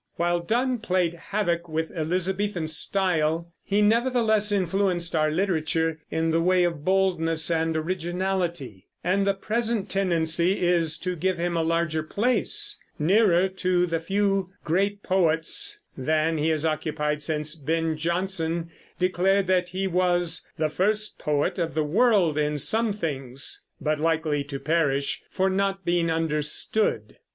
While Donne played havoc with Elizabethan style, he nevertheless influenced our literature in the way of boldness and originality; and the present tendency is to give him a larger place, nearer to the few great poets, than he has occupied since Ben Jonson declared that he was "the first poet of the world in some things," but likely to perish "for not being understood."